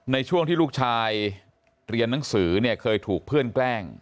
ในช่วงที่ลูกชายเรียนหนังสือเนี่ยเคยถูกเพื่อนแกล้ง